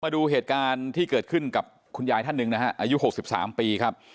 มาดูเหตุการณ์ที่เกิดขึ้นกับคุณยายท่านหนึ่งนะฮะอายุ๖๓ปีครับ